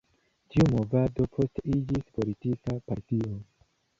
Tiu movado poste iĝis politika partio.